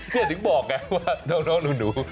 แต่ถึงบอกไงว่านู่นู่